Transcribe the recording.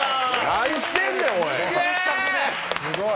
何してんねん、おい。